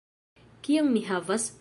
Kion ni havas?